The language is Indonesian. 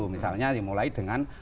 misalnya dimulai dengan